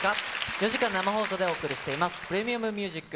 ４時間生放送でお送りしています、ＰｒｅｍｉｕｍＭｕｓｉｃ。